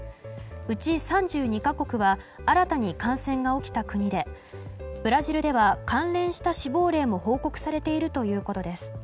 うち３２か国は新たに感染が起きた国でブラジルでは関連した死亡例も報告されているということです。